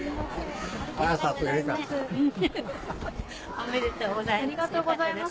おめでとうございます。